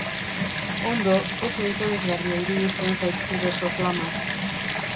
Ondo, oso interesgarria iruditzen zait zure soflama.